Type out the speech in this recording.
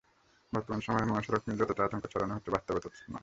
বর্তমান সময়ে মহাসড়ক নিয়ে যতটা আতঙ্ক ছড়ানো হচ্ছে বাস্তবে ততটা নয়।